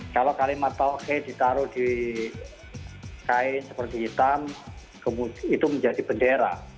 kalau kalimat tauke ditaruh di kain seperti hitam itu menjadi bendera